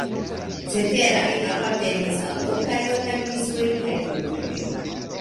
Ceteraj apartenis al lokaj organizoj kaj grupoj.